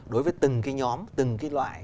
đối với từng cái nhóm từng cái loại